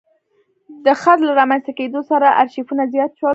د خط له رامنځته کېدو سره ارشیفونه زیات شول.